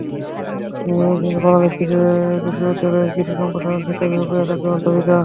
তিনি ময়মনসিংহের বাংলাদেশ কৃষি বিশ্ববিদ্যালয়ের কৃষি সম্প্রসারণ শিক্ষা বিভাগের একজন অধ্যাপিকা।